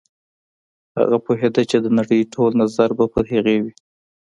هغه پوهېده چې د نړۍ ټول نظر به پر هغې وي.